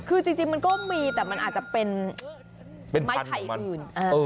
คือจริงมันก็มีแต่มันอาจจะเป็นไม้ไผ่อื่น